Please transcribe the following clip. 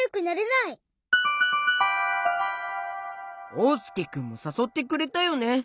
おうすけくんもさそってくれたよね。